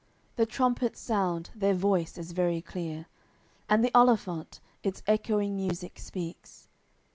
The trumpets sound, their voice is very clear, And the olifant its echoing music speaks.